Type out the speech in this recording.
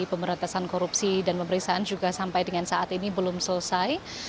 pemberantasan korupsi dan pemeriksaan juga sampai dengan saat ini belum selesai